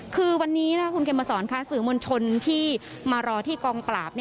คือวันนี้คุณเขมสอนค่ะสื่อมวลชนที่มารอที่กองปราบ